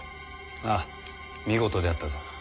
ああ見事であったぞ。